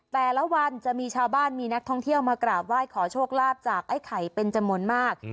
แต่ละวันจะมีชาวบ้านมีนักท่องเที่ยวมากราบไหว้ขอโชคลาภจากไอ้ไข่เป็นจำนวนมาก